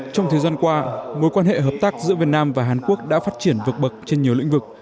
trong thời gian qua mối quan hệ hợp tác giữa việt nam và hàn quốc đã phát triển vượt bậc trên nhiều lĩnh vực